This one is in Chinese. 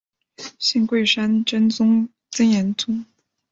信贵山真言宗。